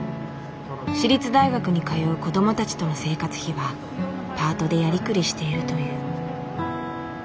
私立大学に通う子どもたちとの生活費はパートでやりくりしているという。